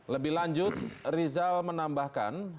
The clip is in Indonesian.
lebih lanjut rizal menambahkan